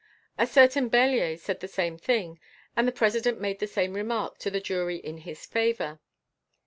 A certain Bellier said the same, and the President made the same remark to the jury in his favour.